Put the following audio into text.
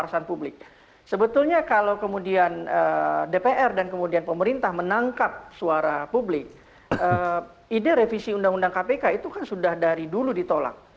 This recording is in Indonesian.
sebetulnya kalau kemudian dpr dan kemudian pemerintah menangkap suara publik ide revisi undang undang kpk itu kan sudah dari dulu ditolak